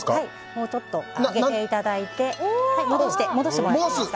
もうちょっと上げていただいて戻してください。